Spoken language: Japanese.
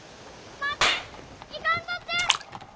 待って行かんとって！